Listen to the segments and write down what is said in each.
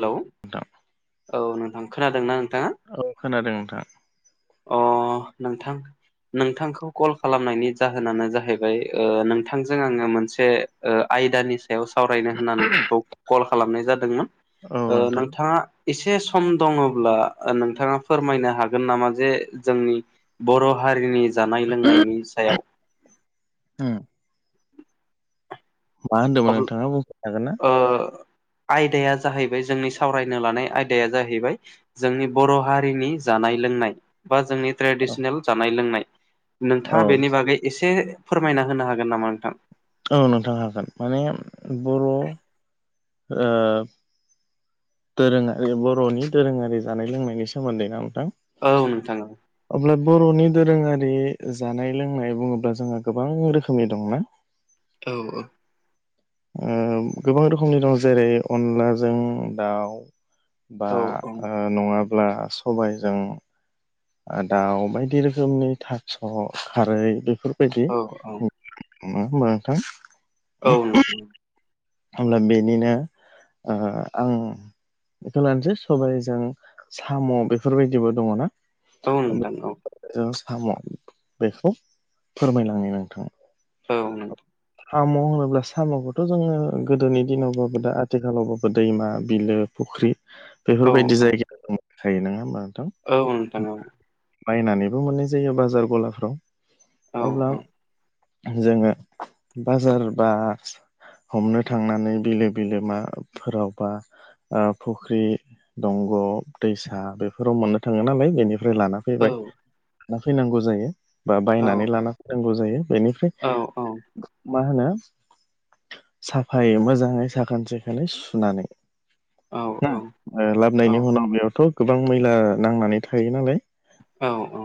Hello [inaudible] औ नोंथां खोनादों ना नोंथाङा? औ खोनादों नोंथां। अ नोंथां। नोंथांखौ कल खालामनायनि जाहोनानो जाहैबाय ओ नोंथांजों आङो मोनसे ओ आयदानि सायाव सावरायनो होननानै नोंखौ कल खालामनाय जादोंमोन। औ ओ नोंथां नोंथाङा एसे सम दङब्ला नोंथाङा फोरमायनो हागोन नामा जे जोंनि बर' हारिनि जानाय लोंनायनि सायाव उम होनदोंमोन अब्ल नोंथाङा बुंफिननो हागोन ना आ आयदाया जाहैबाय जोंनि सावरायनो लानाय आयदाया जाहैबाय जोंनि बर' हारिनि जानाय लोंनाय बा जोंनि औ ट्रेडिसनेल जानाय लोंनाय औ नोंथाङा बेनि बागै एसे फोरमायना होनो हागोन नामा नोंथां‌। औ नोंथां हागोन माने बर' ओ दोरोङारि बर'नि दोरोङारि जानाय लोंनायनि सोमोन्दै ना नोंथां। औ नोंथां औ। अब्ला बर'नि दोरोङारि जानाय लोंनाय बुङोब्ला जोंहा गोबां रोखोमनि दंना। औ औ औ गोबां रोखोमनि दं जेरै अनलाजों दाउ। बा औ नङाब्ला ओ सबायजों ओ दाउ बायदि रोखोमनि थास' खारै बेफोरबायदि औ औ होमबा होमबाथ नोंथां। औ होमब्ला बेनिनो ओ आं बेखौ लानोसै सबाइजों साम' बेफोरबायदिबो दङना। औ नोंथां औ जों साम' बेखौ फोरमायनो हायो नोंथाङा। औ नोंथा साम' होनोब्ला साम'खौथ' जोङो गोदोनि दिनावबाबो दा आथिखालावबाबो दैमा बिलो फुख्रि औ बेफोरबायदि जायगायाव थायो नङा होमबा नोंथां। औ नोंथां औ बायनानैबो मोननाय जायो बाजार औ गलाफ्राव अब्ला जोङो बाजार बा हमनो थांनानै बिलो बिलोमा फोरावबा ओ फुख्रि दंग' दैसा बेफोराव मोननो थाङो नालाय बेनि लाना औ फैबाय लाना फैनांगौ जायो। बा औ बायनानै लाना फैनांगौ जायो बेनिफ्राय औ औ मा होनो साफायै मोजाङै साखोन सिखोनै सुनानै औ ना औ ओ औ लाबोनायनि उनाव बेयावथ' गोबां मैला नांनानै थायो नालाय। औ औ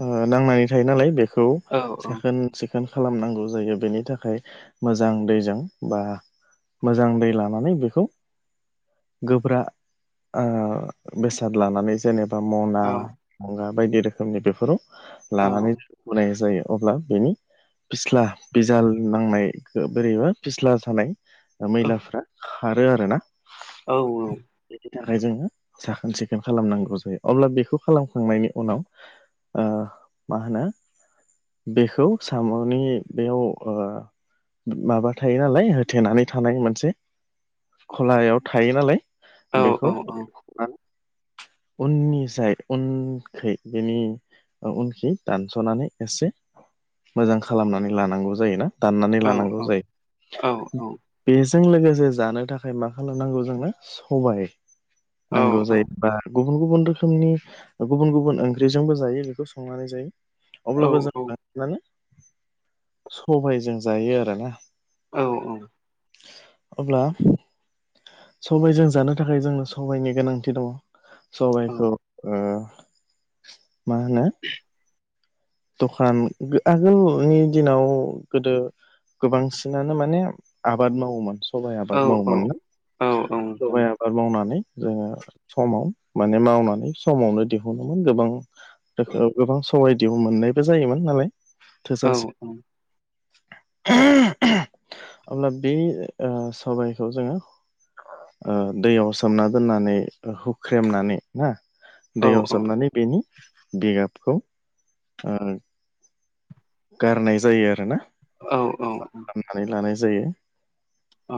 ओ नांनानै थायो नालाय बेखौ साखोन सि सिखोन खालामनांगौ जायो बेनि थाखाय मोजां दैजों बा मोजां दै लानानै बेखौ गोब्रा ओ बेसाद लानानै जेनेबा मना बायदि रोखोमनि बेफोराव लानानै जायो अब्ला बेनि फिस्ला बिजाल नांनायखो बोरैबा फिस्ला जानाय मैलाफ्रा खारो आरोना औ औ बेनि थाखाय जोङो साखोन सिखोन खालामनांगौ जायो अब्ला बेखौ खालामखांनायनि उनाव ओ मा होनो बेखौ साम'नि बेयाव ओ माबा थायो नालाय होथेनानै थानाय मोनसे खलायाव थायो नालाय। औ बेखौ उननि जाय उनखै बेनि ओ उनखि दानस'नानै एसे मोजां खालामनानै लानांगौ जायोना। दाननानै लानांगौ औ औ नोंथां जायो। औ औ बेजों लोगोसे जानो थाखाय मा खालामनांगौ जोंनो सबाय नांगौ जायो बा गुबुन गुबुन रोखोमनि गुबुन गुबुन ओंख्रिजोंबो जायो बेखौ संनानै जायो। अब्लाबो जों मानि सबाइजों जायो आरोना। औ औ अब्ला सबाइजों जानो थाखाय जोंनो सबाइनि गोनांथि दङ। सबाइखौ ओ मा होनो [inaudible] दखान [unintelligible] आरो आगोलनि दिनाव गोदो गोबांसिनानो माने आबाद मावोमोन सबाइ आबाद मावोमोन ना सबाइ औ आबाद मावनानै जोङो समाव माने मावनानै समावनो दिहुनोमोन गोबां [unintelligible] गोबां सबाइ दियाव मोननायबो जायोमोन नालाय थोजासे [unintelligible] अब्ला बे ओ सबाइखौ जोङो ओ दैयाव सोमना दोननानै हुख्रेमनानै ना दैयाव सोमनानै बेनि बिगाबखौ ओ गारनाय जायो आरोना औ औ औ। नानै लानाय जायो। औ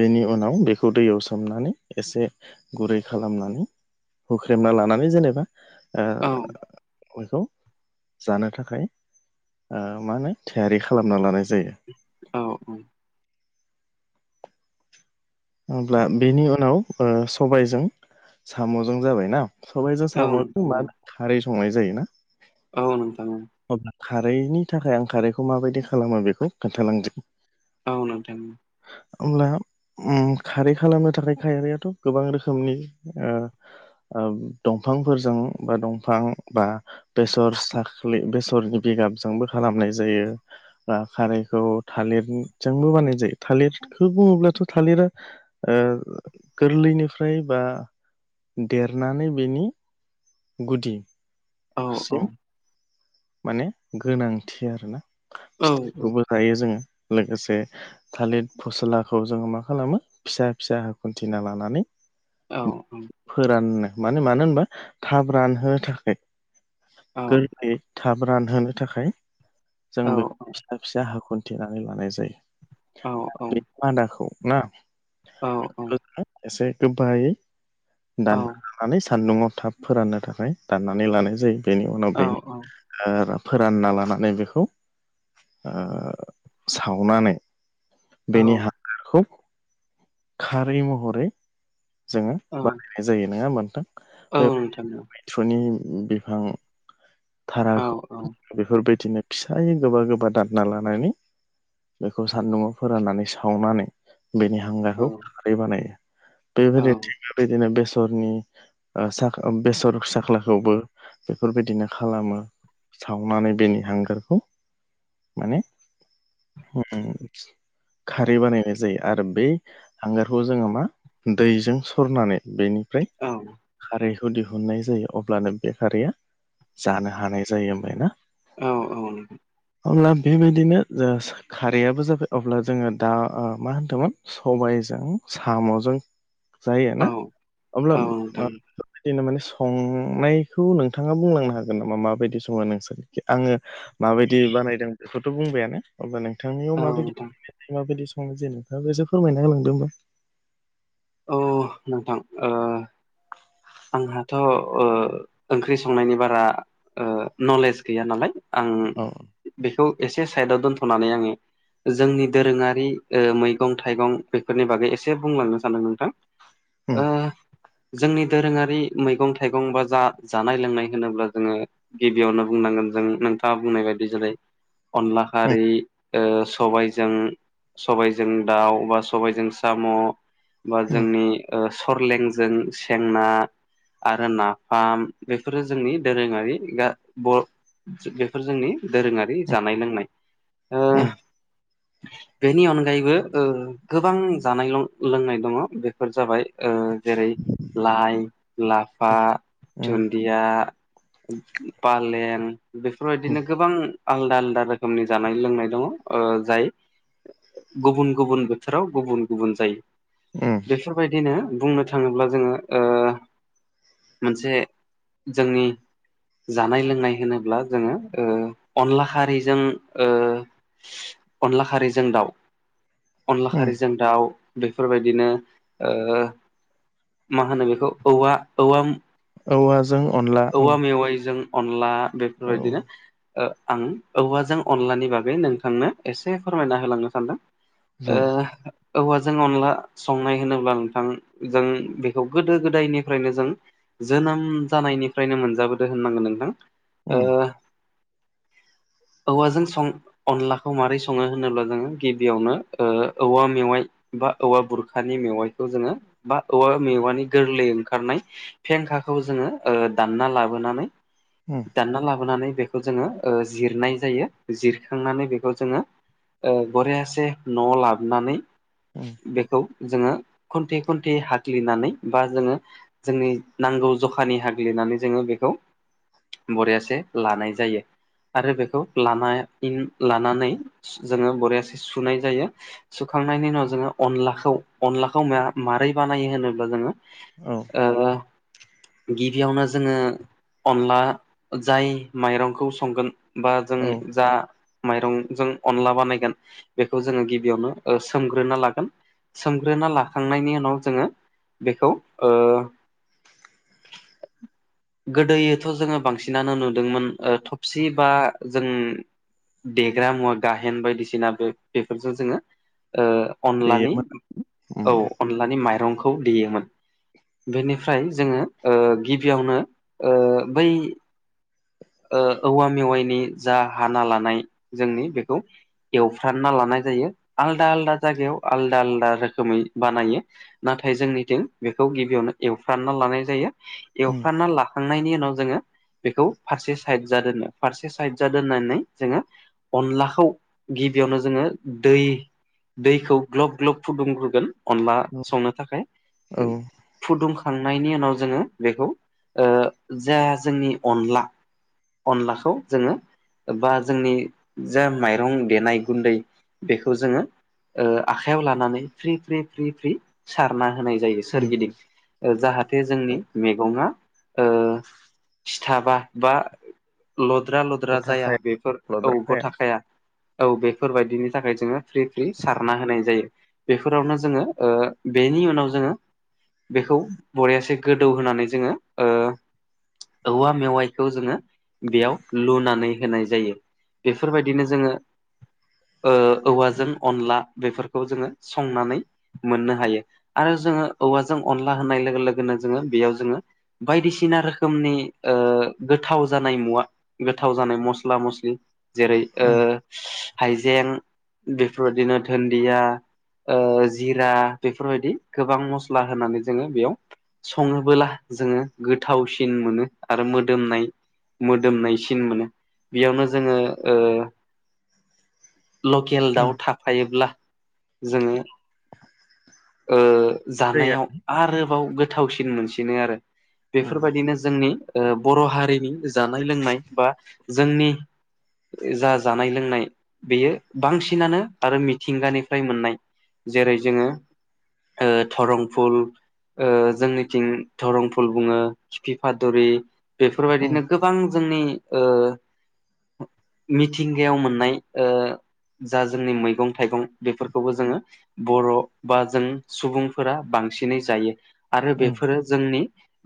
बेनि उनाव बेखौ दैयाव सोमनानै एसे गुरै खालामनानै हुख्रेमना लानानै जेनेबा औ बेखौ जानो थाखाय मा होनो थियारि खालामना लानाय जायो औ हब्ला बेनि उनाव सबायजों साम'जों जाबायना सबायाइजों औ साम'जों नोंथां मानो खारै संनाय जायोना। औ नोंथां ओ अब्ला खारैनि थाखाय आं खारैखौ माबायदि खालामो बेखौ खोन्थालांदो औ नोंथां अब्ला। खारै खालामनो थाखाय खारारिैयाथ' गोबां रोखोमनि दंफांफोरजों बा दंफां बा बेसर साख्रि बेसरनि बिगाबजोंबो खालामनाय जायो ब खारैखौ थालिरजोंबो बानायनाय जायो थालिरखौ बुङोब्लाथ' थालिरा गोरलैनिफ्राय बा देरनानै बेनि औ औ गुदिसिम माने गोनांथि आरोना औ औ। हायो जोङो लोगोसे थालिर फस्लाखौ जोङो मा खालामो फिसा फिसा हो खन्थिना लानानै औ औ फोराननो माने मानो होनबा थाब रानहोनो थाखाय औ गोरलैयै थाब रानहोनो थाखाय जों औ बेखौ फिसा फिसा ह खन्थेनानै लानाय जायो। औ औ। बे मादाखौ ना औ जोङो एसे गोबायै दाननानै सान्दुङाव थाब फोराननो थाखाय दाननानै लानाय जायो बेनि उनाव बेनि फोरानना लानानै बेखौ सावनानै औ औ बेनि हांगारखौ खारै महरै जोङो औ बानायनाय जायो नङा होमबा नोंथां औ नोंथां औ फुनि बिफां औ नोंथां थाराखौ बेफोरबायदिनो फिसायै गोबा गोबा दानना लानानै बेखौ सान्दुंङआव फोराननानै सावनानै बेनि हांग्राखौ खारै बानायो बेबायदिनो बिदिनो बेसरनि साख बेसर साख्लाखौबो बेफोरबायदिनो खालामो सावनानै बेनि हांगारखौ माने खारै बानायनाय जायो आरो बे हांगारखौ जोङो मा दैजों सरनानै बेनि ओमफ्राय खारैखौ दिहुननाय जायो अब्लानो बे खारैया जानो हानाय जायो ओमफ्राय ना? औ औ। अब्ला बेबायदिनो जा खारैयाबो जाबाय अब्ला जोंङो दा मा होन्दोंमोन सबायजों साम'जों जायो ना अब्ला नोंथां बिदिनो माने संनायखौ नोंथाङा बुंलांनाय हागोन नामा माबायदि सङो नोंसोर आंङो माबायदि बानायदों बेखौथ' बुंबायानो। अब्ला नोंथांनियाव औ माबायदि माबायदि सङो जेनेबा नोंथाङा एसे फोरमायना होलांदों होमबा। औ नोंथां ओ आंहाथ' ओ ओंख्रि संनायनि बारा ओ नलेज गैया नालाय आं औ बेखौ एसे साइदआव दोनथ'नानै आंङो जोंनि दोरोङारि ओ मैगं थाइगं बेफोरनि बागै एसे बुंलांनो सान्दों नोंथां उम ओ जोंनि दोरोङारि मैगं थाइगं बा जा जानाय लोंनाय होनोब्ला जोंङो गिबियावनो बुंनांगोन जों नोंथाङा बुंनाय बायदि जेरै उम अनलाखारि ओ सबायजों सबायजों दाउ बा सबायजों साम' बा उम जोंनि ओ सरलेंजों सेंना आरो नाफाम बेफोरो जोंनि दोरोङारि गा ब थिग बेफोर जोंनि दोरोङारि जानाय लोंनाय। ओ उम। बेनि अनगायैबो ओ गोबां जानाय लोंनाय दङ बेफोर जाबाय ओ जेरै लाइ लाफा उम दुन्दि या पालें बेफोरबायदिनो उम गोबां आलदा आलदा रोखोमनि जानाय लोंनाय दङ ओ जाय गुबुन गुबुन बोथोराव गुबुन गुबुन जायो। उम बेफोरबायदिनो बुंनो थाङोब्ला जोंङो ओ मोनसे जोंनि जानाय लोंनाय होनोब्ला जोंङो ओ अनला खारिजों ओ अनला खारिजों दाउ अनला उम खारिजों दाउ बेफोरबायदिनो ओ मा होनो बेखौ औवा औवा औवा जों अनला औ औवा मेवाइजों अनला औ बेफोरबायदिनो ओ आं औवाजों अनलानि बागै नोंथांनो एसे फोरमायना होलांनो सानदों। ओ जायो औवाजों अनला संनाय होनोब्ला नोंथां जों बेखौ गोदो गोदायनिफ्रायनो जों जोनोम जानायनिफ्रायनो मोनजाबोदो होननांगोन नोंथां उम ओ [inaudible] औवाजों सं अनलाखौ माबोरै सङो होनोब्ला जोंङो गिबियावनो ओ औवा मेवाइ बा औवा बुरखानि मेवाइखौ जोंङो बा औवा मेवानि गोरलै ओंखारनाय फेंखाखौ जोंङो ओ दानना लाबोनानै उम। दानना लाबोनानै बेखौ जोंङो ओ जिरनाय जायो जिरखांनानै बेखौ जोंङो ओ बरियासे न'आव लाबोनानै उम बेखौ जोंङो खुन्थे खुन्थे हाख्लिनानै बा जोंङो जोंनि नांगौ जखानि हाग्लिनानै जोंङो बेखौ बरियासे लानाय जायो। आरो बेखौ लाना लानानै जोंङो बरियासे सुनाय जायो। सुखांनायनि उनाव जोंङो अनलाखौ अनलाखौ मा मारै बानायो होनोब्ला जोंङो औ। ओ। बेयावनो जोङो अनला जाय माइरंखौ संगोन। बा जों औ दा माइरंजों अनला बानायगोन बेखौ जोङो गिबियावनो सोमग्रोना लागोन। सोमग्रोना लाखांनायनि उनाव जोङो बेखौ गोदोथ' जोङो बांसिनानो नुदोंमोन थबसि बा जों देग्रा मुवा गाहेन बायदिसिना बेफोरजों जोङो ओ अनलानि देयोमोन उम औ। लानि माइंखौ देयोमोन बेनिफ्राय जोङो ओ गिबियावनो ओ बै ओ औवा मेवाइनि जा हाना लानाय जोंनि बेखौ एवफ्रामना लानाय जायो आलादा-आलादा जायगायाव आलदा- आलदा रोखोमै बानायो। नाथाय जोंनिथिं बेखौ गिबियावनो एवफ्रानना लानाय जायो। उम एवफ्रानना लाखांनायनि उनाव जोङो बेखौ फारसे साइड जा दोननो फारसे साइड जा दोननानै जोङो अनलाखौ गिबियावनो जोङो दै दैखौ ग्लब-ग्लब फुदुंग्रोगोन अनला औ संनो थाखाय। औ फुदुंखांनायनि उनाव जोङो बेखौ ओ जा जोंनि अनला-अनलाखौ जोङो बा जोंनि जा माइरं देनाय गुन्दै बेखौ जोङो ओ आखाइयाव लानानै फ्रि-फ्रि-फ्रि-फ्रि सारना होनाय जायो उम सोरगिदिं। ओ जाहाथे जोंनि औ मैगङा ओ सिथाबा बा लद्रा-लद्रा जाया गथाखाया बेफोर औ लद्राखाया गथाखाया औ बेफोरबायदिनि थाखाय जोङो फ्रि-फ्रि सारना होनाय जायो। बेफोरावनो जोङो ओ बेनि उनाव जोङो बेखौ बरियासे गोद गोदौ होनानै जोङो ओ औवा मेवाइखौ जोङो बेयाव लुनानै होनाय जायो। बेफोरबायदिनो जोङो ओ औवाजों उम अनला बेफोरखौ जोङो संनानै मोननो हायो आरो जोङो औवाजों अनला होनाय लोगो-लोगोनो जोङो बेयाव जोङो बायदिसिना रोखोमनि ओ गोथाव जानाय मुवा गोथाव जानाय मस्ला मस्लि। जेरै- ओ उम हाइजें बेफोरबायदिनो दुन्दिया ओ जिरा बेफोरबायदि गोबां मस्ला होनानै जोङो बेयाव सङोबोला जोङो गोथावसिन मोनो आरो मोदोमनाय मोदोमनायसिन मोनो। बेयावनो जोङो ओ [inaudible] लकेल उम दाउ थाफायोब्ला जोङो ओ जायो जानायाव आरोबाव गोथावसिन मोनसिनो आरो। आरो। बेफोरबायदिनो जोंनि ओ बर' हारिनि जानाय लोंनाय बा जोंनि जा जानाय लोंनाय बेयो बांसिनानो आरो मिथिंगानिफ्राय मोननाय। जेरै जोङो ओ थरं फुल ओ जोंनिथिं धरं फुल बुङो खिफिफादरि उम बेफोरबायदिनो गोबां जोंनि ओ मिथिंगायाव मोननाय ओ जा जोंनि मैगं थाइगं बेफोरखौबो जोङो बर' बा जों सुबुंफोरा बांसिनै जायो। आरो उम बेफोरो जोंनि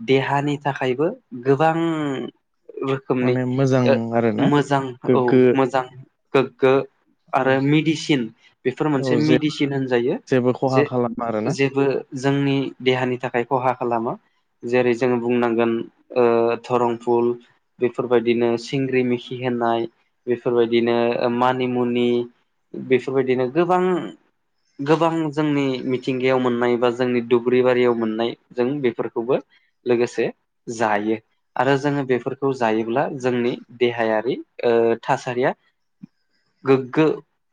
देहानि थाखायबो गोबां रोखोमनि माने मोजां ओ आरोना मोजां औ गोग्गो मोजां गोग्गो औ आरो मेडिसिन बेफोर औ मोनसे जे मेडिसिन होनजायो जेबो खहा जे खालामा आरोना जेबो जोंनि देहानि थाखाय खहा खालामो। जेरै जोङो बुंनांगोन ओ धरं फुल। बेफोरबायदिनो सिंग्रि मिखि होननाय बेफोरबायदिनो ओ मानिमुनि। बेफोरबायदिनो गोबां गोबां जोंनि मिथिंगायाव मोननाय बा जोंनि दुब्रि बारियाव मोननाय जों बेफोरखौबो लोगोसे जायो। आरो जोङो बेफोरखौ जायोब्ला जोंनि देहायारि ओ थासारिया गोग्गो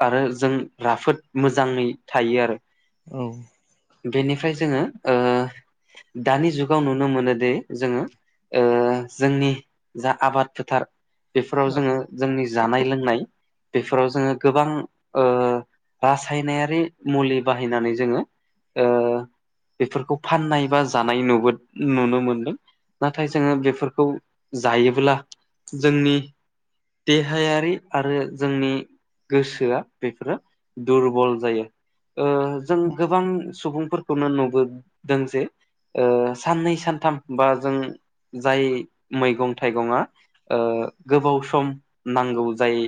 आरो जों राफोद मोजाङै थायो आरो। औ बेनिफ्राय जोङो ओ दानि जुगाव नुनो मोनोदि जोङो ओ जोंनि जा आबाद फोथार बेफोराव जोङो जोंनि जानाय लोंनाय बेफोराव जोङो गोबां ओ रासायनारि मुलि बाहायनानै जोङो ओ बेफोरखौ फाननाय बा जानाय न नुनो मोनदों नाथाय जोङो बेफोरखौ जायोब्ला जोंनि देहायारि आरो जोंनि गोसोआ बेफोरो दुरबल जायो। ओ जों गोबां सुबुंफोरखौनो नुबोदों जे ओ साननै सानथाम बा जों जाय मैगं थाइगङा ओ गोबाव सम नांगौ जाय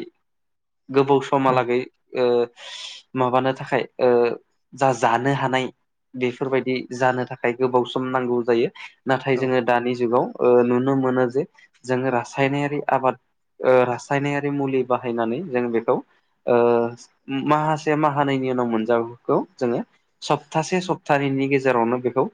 गोबाव समहालागै ओ माबानो थाखाय ओ जा जानो हानाय बेफोरबायदि जानो थाखाय गोबाव सम नांगौ जायो नाथाय औ जोङो दानि जुगाव ओ नुनो मोनो जे जोङो रासायनारि आबाद ओ रासायनारि मुलि बाहायनानै जों बेखौ ओ माहासे माहानैैनि उनाव मोनजागौजोङो सप्तासे सप्तानैनि गेजेरावनो बेखौ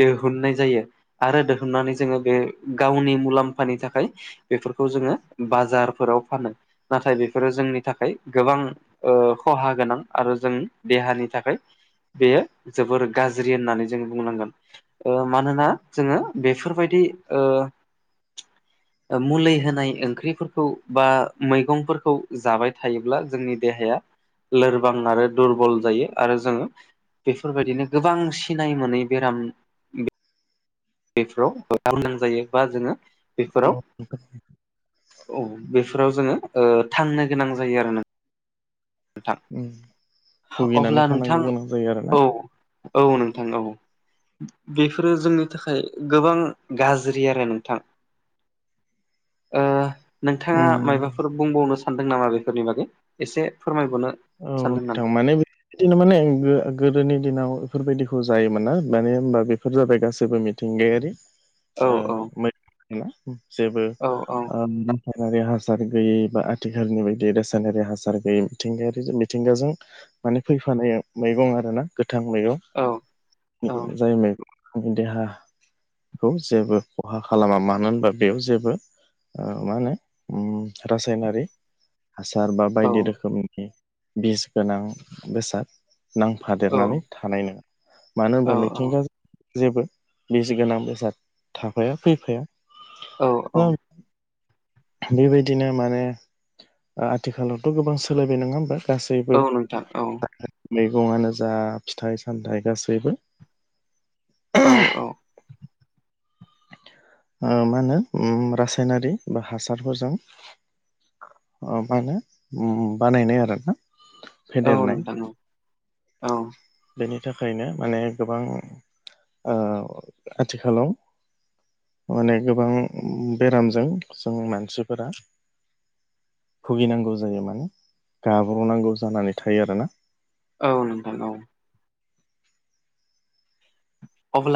दिहुननाय जायो आरो दिहुननानै जोङो बे गावनि मुलाम्फानि थाखाय बेफोरखौ जोङो बाजारफोराव फानो नाथाय बे फोरो जोंनि थाखाय गोबां ओ खहा गोनां आरो जों देहानि थाखाय बेयो जोबोर गाज्रि होननानै जों बुंनांगोन। ओ मानोना जोङो बेफोरबायदि ओ मुलि होनाय ओंख्रिफोरखौ बा मैगंफोरखौ जाबाय थायोब्ला जोंनि देहाया लोरबां आरो दुरबल जायो आरो जोङो बेफोरबायदिनो गोबां सिनाय मोनै बेराम बेफोराव गोनां जायो बा जोङो बेफोराव औ औ बेफोराव जोङो ओ थांनो गोनां जायो आरो नों नोंथां भुगिनानै अब्ला नोंथां थानांगौ गोनां जायो आरोना औ औ नोंथां औ बेफोरो जोंनि थाखाय गोबां गाज्रि आरो नोंथां नोंथाङा उम नंगौ माबाफोर बुंबावनो सानदों नामा बेफोरनि बागै एसे फोरमायबावनो सानदों [unintelligible] नामा माने बिदिनो माने गो गोदोनि दिनाव बेफोरबायदिखौ जायोमोना मानो होनबा बेफोर जाबाय गासैबो मिथिंगायारि औ ओ औ मै [unintelligible] जेबो औ औ ओ रायनारि हासार गैयै बा आथिखालनि बायदि रासायनारि हासार गैयै मिथिंगायारि जोंनि। मिथिंगाजों माने फैफानाय मैगं आर ना गोथां मैगं। औ औ जायबाय देहा खौ जेबो खहा खालामा मानो होनबा बेयाव जेबो ओ मा होनो रासायनारि हासार बा बायदि रोखोमनि बिस गोनां बेसाद औ नांफादेरनानै थानाय नङा मानो होनबा औ मिथिंगा जेबो बिस गोनां बेसाद थाफाया फैफाया औ औ बेबायदिनो माने ओ आथिखालावथ' गोबां सोलायबाय नङा होमबा गासैबो औ नोंथां औ मैगंनो जा फिथाइ सामथाइ गासैबो औ औ उम मा होनो रासायनारि बा हासारफोरजों अ बानो बानायनाय आरोना औ फेदेरनाय नोंथां औ औ बेनि थाखायनो माने गोबां ओ आथिखालाव माने गोबां बेरामजों जों मानसिफोरा भुगिनांगौ जायो माने गाब्र'नांगौ जानानै थायो आरोना औ नोंथां औ अब्ला